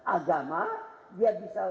agama dia bisa